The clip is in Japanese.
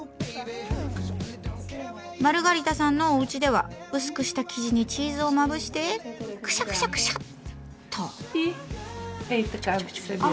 マルガリタさんのおうちでは薄くした生地にチーズをまぶしてクシャクシャクシャッと。